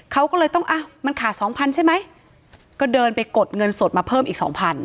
เขาก็เลยต้องอะมันขาด๒๐๐๐ใช่ไหมก็เดินไปกดเงินสดมาเพิ่มอีก๒๐๐๐